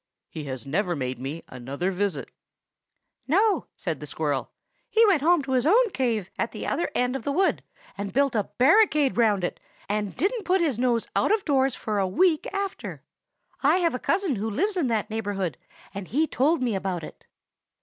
He has never made me another visit." "No," said the squirrel; "he went home to his own cave at the other end of the wood, and built a barricade round it, and didn't put his nose out of doors for a week after. I have a cousin who lives in that neighborhood, and he told me about it."